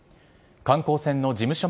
観光船の事務所